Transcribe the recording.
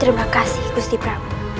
terima kasih gusti prabu